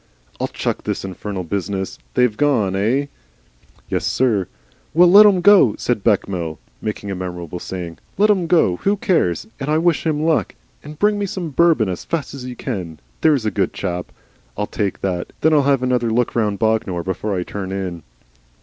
"I'll chuck this infernal business! They've gone, eigh?" "Yessir." "Well, let 'em GO," said Bechamel, making a memorable saying. "Let 'em GO. Who cares? And I wish him luck. And bring me some Bourbon as fast as you can, there's a good chap. I'll take that, and then I'll have another look round Bognor before I turn in."